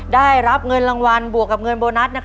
ได้รับเงินรางวัลบวกกับเงินโบนัส